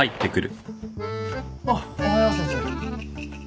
・おうおはよう先生。